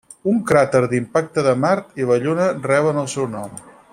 Un cràter d'impacte de Mart i la Lluna reben el seu nom.